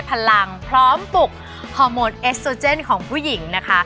พลังพร้อมปลุกฮอร์โมนเอสโซเจนของผู้หญิงนะคะ